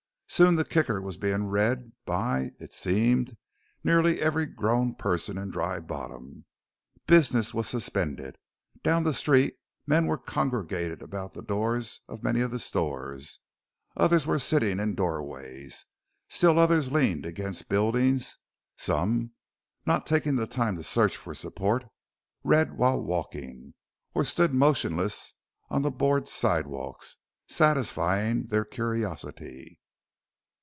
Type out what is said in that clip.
Soon the Kicker was being read by it seemed nearly every grown person in Dry Bottom. Business was suspended. Down the street men were congregated about the doors of many of the stores; others were sitting in doorways, still others leaned against buildings; some, not taking time to search for support, read while walking, or stood motionless on the board sidewalks, satisfying their curiosity.